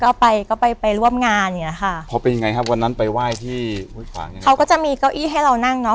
ก็ไปก็ไปไปร่วมงานอย่างเงี้ยค่ะพอเป็นยังไงครับวันนั้นไปไหว้ที่ห้วยขวางเนี้ยเขาก็จะมีเก้าอี้ให้เรานั่งเนอะ